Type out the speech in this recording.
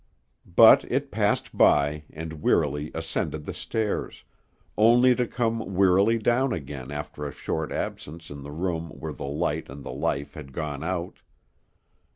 But it passed by, and wearily ascended the stairs, only to come wearily down again after a short absence in the room where the light and the life had gone out.